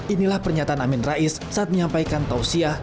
inilah pernyataan amin rais saat menyampaikan tausiah